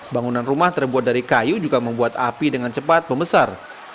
bangunan rumah terbuat dari kayu juga membuat api dengan cepat membesar